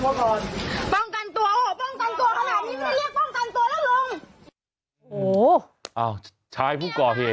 ทางเข้าไปเพราะว่าถ้าเราเข้าไปอ่ะ